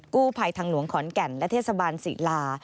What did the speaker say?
กู้ภัยทางหลวงขอนแก่นและเทศบาลศิลา